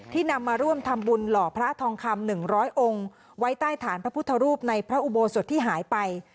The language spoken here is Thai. นำมาร่วมทำบุญหล่อพระทองคำ๑๐๐องค์ไว้ใต้ฐานพระพุทธรูปในพระอุโบสถที่หายไป